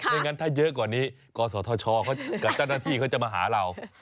งั้นถ้าเยอะกว่านี้กศธชกับเจ้าหน้าที่เขาจะมาหาเรา